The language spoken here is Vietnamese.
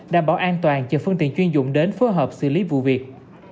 đảm bảo an toàn chờ phương tiện chuyên dụng đến phối hợp xử lý vụ việc